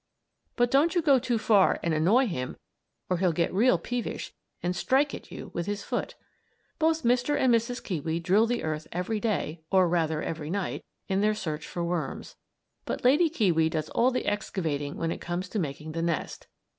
But don't you go too far and annoy him or he'll get real peevish and strike at you with his foot. Both Mr. and Mrs. Kiwi drill the earth every day or rather every night in their search for worms, but Lady Kiwi does all the excavating when it comes to making the nest.